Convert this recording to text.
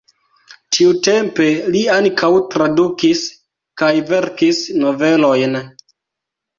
Tiutempe li ankaŭ tradukis kaj verkis novelojn.